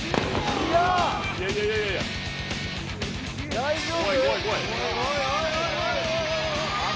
大丈夫？